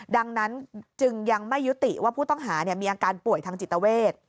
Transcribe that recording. ดังนั้นจึงยังไม่ยุติว่าผู้ต้องหามีอาการป่วยทางจิตเวท